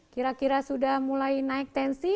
kira kira sudah mulai naik tensi